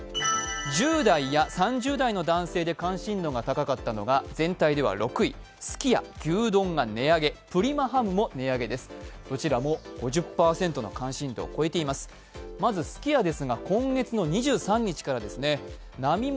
１０代や３０代の男性で関心度が高かったのが全体では６位、すき家、牛丼が値上げプリマハムも値上げです、どちらも５０％の関心度を超えています。